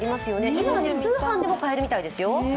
今は通販でも買えるみたいですよ。